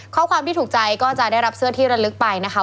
ข้อความที่ถูกใจก็จะได้รับเสื้อที่ระลึกไปนะคะ